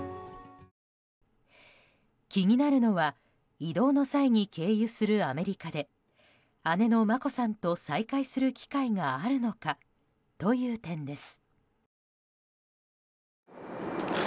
気になるのは、移動の際に経由するアメリカで姉の眞子さんと再会する機会があるのかという点です。